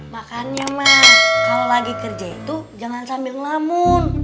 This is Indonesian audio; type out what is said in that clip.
makanya ma kalau lagi kerja itu jangan sambil ngelamun